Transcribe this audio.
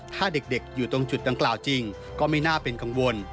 ถ้าเด็กอยู่ตรงจุดดังกล่าวจริงก็ไม่น่าเป็นกังวล